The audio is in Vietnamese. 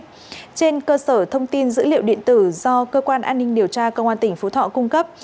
trên cơ sở thông tin dữ liệu điện tử do cơ quan an ninh điều tra công an tỉnh phú thọ cung cấp